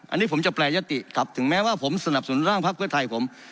อันนี้ผมจะแปรยติครับถึงแม้ว่าผมสนับสนุนร่างพักเพื่อไทยผม